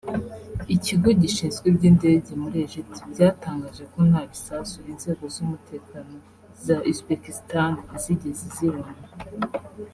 Ikigo gishinzwe iby’indege muri Egypt byatangaje ko nta bisasu inzego z’umutekano za Uzbekistan zigeze zibona